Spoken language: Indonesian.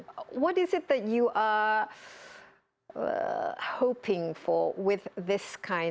apa yang anda harapkan dengan hal ini